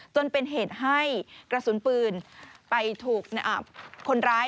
จนเป็นเหตุให้กระสุนปืนไปถูกคนร้าย